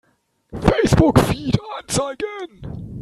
Facebook-Feed anzeigen!